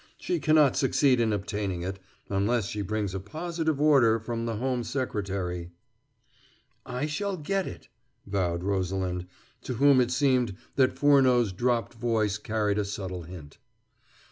She cannot succeed in obtaining it, unless she brings a positive order from the Home Secretary " "I shall get it," vowed Rosalind, to whom it seemed that Furneaux's dropped voice carried a subtle hint.